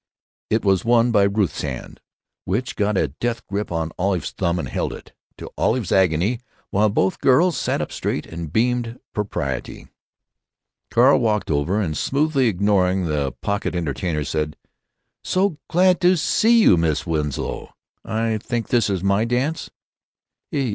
It was won by Ruth's hand, which got a death grip on Olive's thumb, and held it, to Olive's agony, while both girls sat up straight and beamed propriety. Carl walked over and, smoothly ignoring the pocket entertainer, said: "So glad to see you, Miss Winslow. I think this is my dance?"